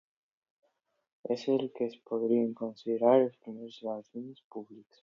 És el que es podrien considerar els primers jardins públics.